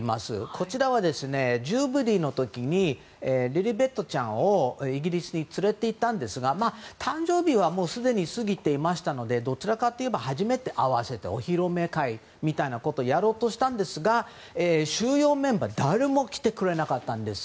こちらはジュビリーの時にリリベットちゃんをイギリスに連れて行ったんですが誕生日はすでに過ぎていましたのでどちらかといえば初めて会わせてお披露目会みたいなことをやろうとしたんですが主要メンバーは誰も来てくれなかったんです。